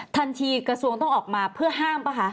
กระทรวงต้องออกมาเพื่อห้ามป่ะคะ